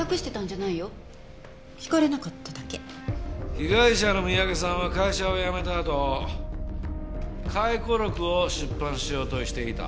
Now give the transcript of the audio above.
被害者の三宅さんは会社を辞めたあと回顧録を出版しようとしていた。